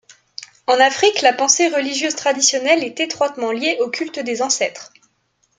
En Afrique la pensée religieuse traditionnelle est étroitement liée au culte des ancêtres.